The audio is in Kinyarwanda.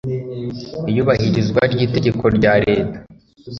iyubahirizwa ry itegeko rya leta